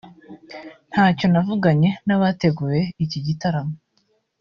ntacyo navuganye nabateguye iki gitaramo